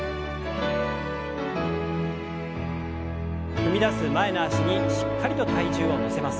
踏み出す前の脚にしっかりと体重を乗せます。